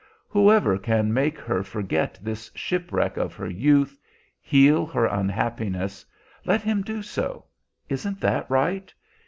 Whoever can make her forget this shipwreck of her youth, heal her unhappiness, let him do so. Isn't that right?